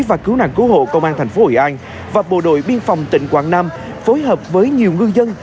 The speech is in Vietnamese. và cứu nạn cứu hộ công an tp hội an và bộ đội biên phòng tỉnh quảng nam phối hợp với nhiều ngư dân